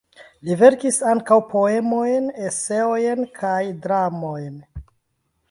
Li verkis ankaŭ poemojn, eseojn kaj dramojn.